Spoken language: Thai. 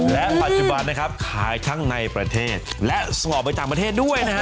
และปัจจุบันขายทั้งในประเทศ